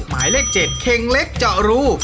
หมายเลข๗เข่งเล็กเจาะรู